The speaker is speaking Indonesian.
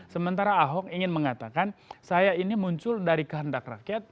sementara ahok ingin mengatakan saya ini muncul dari kehendak rakyat